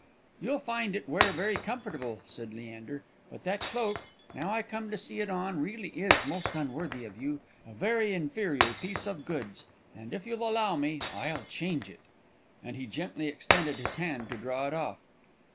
"You'll find it wear very comfortable," said Leander; "but that cloak, now I come to see it on, it reely is most unworthy of you, a very inferior piece of goods, and, if you'll allow me, I'll change it," and he gently extended his hand to draw it off.